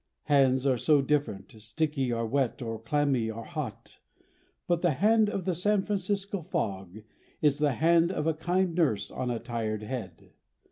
Hands are so different, sticky or wet or clammy or hot, but the hand of the San Francisco fog is the hand of a kind nurse on a tired head.